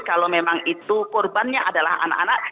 kalau memang itu korbannya adalah anak anak